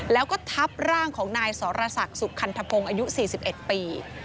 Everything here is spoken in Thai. แล้วก็ทับร่างของนายสรศักดิ์สุคันธพงศ์อายุ๔๑ปี